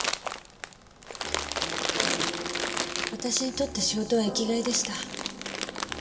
私にとって仕事は生きがいでした。